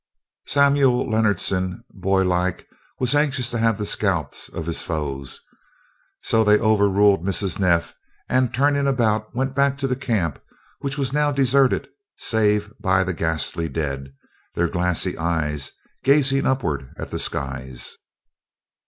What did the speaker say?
Samuel Leonardson, boy like, was anxious to have the scalps of his foes, and so they overruled Mrs. Neff and, turning about, went back to the camp which was now deserted save by the ghastly dead, their glassy eyes gazing upward at the skies.